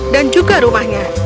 dan juga rumahnya